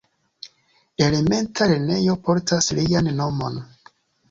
Elementa lernejo portas lian nomon.